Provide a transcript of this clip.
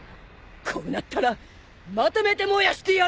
こうなったらまとめて燃やしてやるよ！